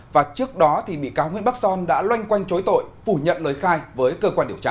và trước đó bị cáo nguyễn bắc son đã loanh quanh chối tội phủ nhận lời khai với cơ quan điều tra